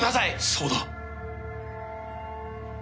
そうだ。